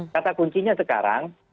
kata kuncinya sekarang